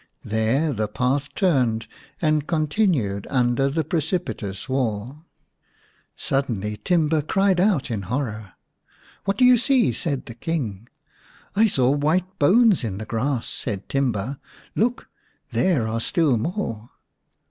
There the path turned and continued under the precipitous wall. Suddenly Timba cried out in horror. " What do you see ?" said the King. " I saw white bones in the grass," said Timba. " Look ! There are still more.